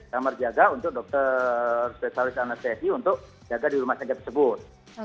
kamar jaga untuk dokter spesialis anestesi untuk jaga di rumah sakit tersebut